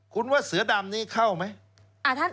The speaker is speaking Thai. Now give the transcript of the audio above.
คุณว่าเสือดำนี้เข้าไหม